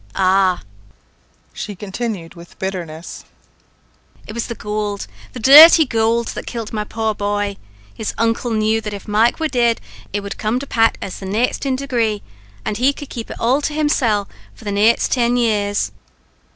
"Ah!" she continued, with bitterness, "it was the gowld, the dhirty gowld, that kilt my poor bhoy. His uncle knew that if Mike were dead, it would come to Pat as the ne'est in degree, an' he could keep it all to himsel' for the ne'est ten years."